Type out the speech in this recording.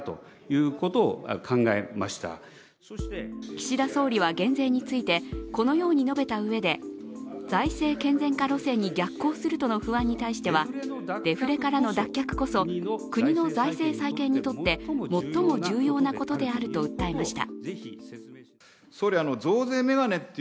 岸田総理は減税についてこのように述べたうえで、財政健全化路線に逆行するとの不安に対してはデフレからの脱却こそ、国の税制再建にとって最も重要なことであると訴えました。